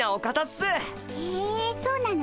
へえそうなの？